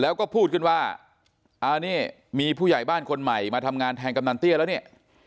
แล้วก็พูดขึ้นว่าอ่านี่มีผู้ใหญ่บ้านคนใหม่มาทำงานแทนกำนันเตี้ยแล้วเนี่ย